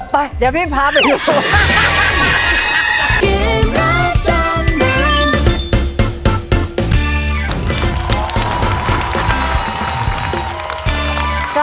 ไปเดี๋ยวพี่พาไปดีกว่า